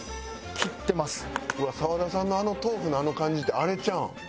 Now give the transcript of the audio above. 澤田さんのあの豆腐のあの感じってあれちゃうん？